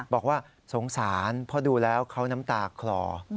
บอกว่าสงสารเพราะดูแล้วเขาน้ำตาคลอ